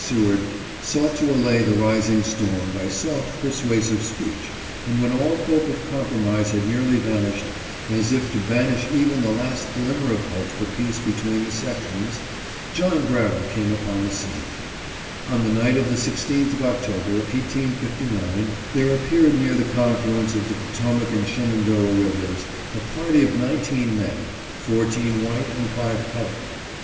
Seward sought to allay the rising storm by soft, persuasive speech, and when all hope of compromise had nearly vanished, as if to banish even the last glimmer of hope for peace between the sections, John Brown came upon the scene. On the night of the 16th of October, 1859, there appeared near the confluence of the Potomac and Shenandoah rivers a JOHN BROWN CAPTURED AND EXECUTED. 375 party of nineteen men — fourteen white and five colored.